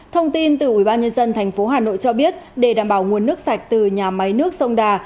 thông tin từ ubnd tp hà nội cho biết để đảm bảo nguồn nước sạch từ nhà máy nước sông đà